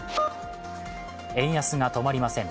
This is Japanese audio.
円安が止まりません。